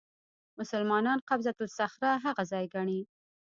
مسلمانان قبه الصخره هغه ځای ګڼي.